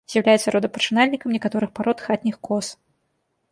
З'яўляецца родапачынальнікам некаторых парод хатніх коз.